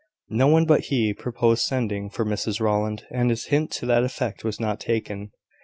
No one but he proposed sending for Mrs Rowland; and his hint to that effect was not taken.